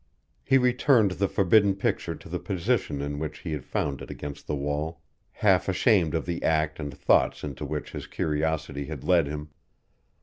He returned the forbidden picture to the position in which he had found it against the wall, half ashamed of the act and thoughts into which his curiosity had led him.